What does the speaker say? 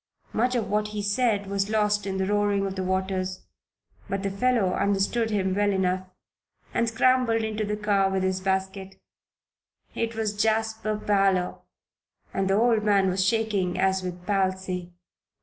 Much of what he said was lost in the roaring of the waters; but the fellow understood him well enough, and scrambled into the car with his basket. It was Jasper Parloe, and the old man was shaking as with palsy.